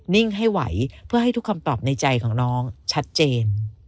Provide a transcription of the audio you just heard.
นิ่งให้ไหวเพื่อให้ทุกคำตอบในใจของน้องชัดเจน